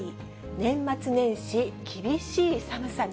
年末年始、厳しい寒さに。